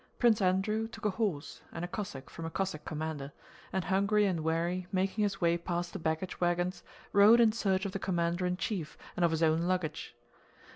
Prince Andrew took a horse and a Cossack from a Cossack commander, and hungry and weary, making his way past the baggage wagons, rode in search of the commander in chief and of his own luggage.